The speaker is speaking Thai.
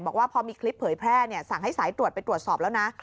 บอกว่าพอมีคลิปเผยแพร่สั่งให้สายตรวจไปตรวจสอบแล้วนะ